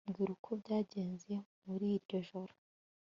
Mbwira uko byagenze muri iryo joro